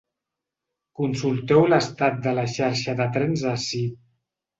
Consulteu l’estat de la xarxa de trens ací.